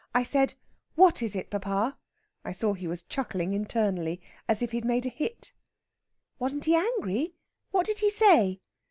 I said, 'What is it, papa?' I saw he was chuckling internally, as if he'd made a hit." "Wasn't he angry? What did he say?"